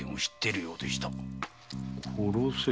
殺せ。